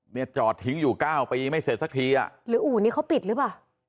เนี่ยจอดทิ้งอยู่เก้าปีไม่เสร็จสักทีอ่ะหรืออู่นี้เขาปิดหรือเปล่า